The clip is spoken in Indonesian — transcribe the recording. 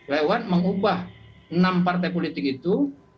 lewat mengubah enam partai politik itu